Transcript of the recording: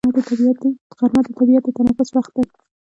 غرمه د طبیعت د تنفس وخت دی